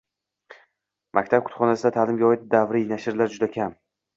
Maktab kutubxonasida ta’limga oid davriy nashrlar juda kam.